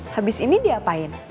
habis ini diapain